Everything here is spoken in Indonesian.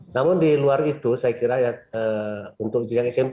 namun di luar itu saya kira ya untuk yang smp